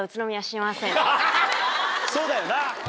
そうだよな。